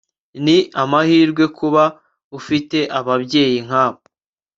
Ni amahirwe kuba ufite ababyeyi nkabo